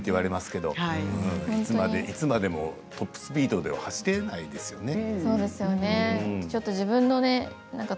いつまでもトップスピードでは走れないですよね。